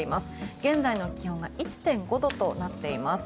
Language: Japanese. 現在の気温が１．５度となっています。